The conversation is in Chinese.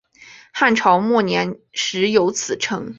汉朝末年始有此称。